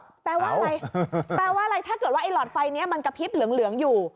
แปลว่าอะไรแปลว่าอะไรถ้าเกิดว่าไอ้หลอดไฟนี้มันกระพริบเหลืองอยู่